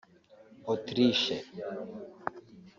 Autriche